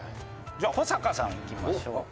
じゃあ古坂さんいきましょうか。